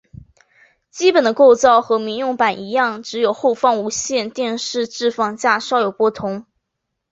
基本的构造和民用版一样只有后方无线电机置放架稍有不同。